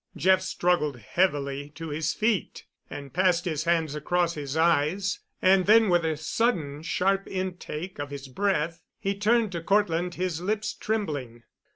Jeff struggled heavily to his feet and passed his hands across his eyes, and then, with a sudden sharp intake of his breath, he turned to Cortland, his lips trembling.